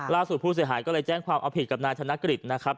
ผู้เสียหายก็เลยแจ้งความเอาผิดกับนายธนกฤษนะครับ